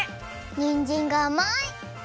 にんじんがあまい！